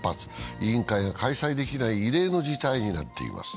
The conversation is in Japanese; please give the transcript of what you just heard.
委員会が開催できない異例の事態になっています。